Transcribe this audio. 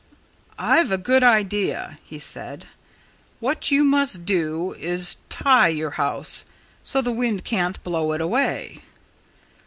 I've a good idea," he said. "What you must do is to tie your house so the wind can't blow it away."